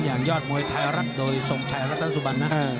ยอดมวยไทยรัฐโดยทรงชัยรัตนสุบันนะ